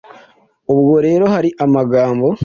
Ubwo rero, hari amagambo